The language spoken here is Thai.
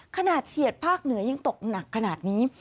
เฉียดภาคเหนือยังตกหนักขนาดนี้